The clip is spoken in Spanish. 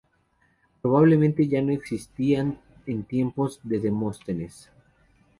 Probablemente ya no existían en tiempos de Demóstenes.